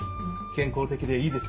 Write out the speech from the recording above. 健康的でいいですね。